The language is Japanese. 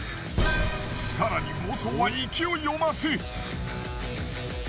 更に暴走は勢いを増す。